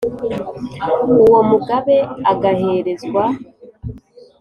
Uwo Mugabe agaherezwa,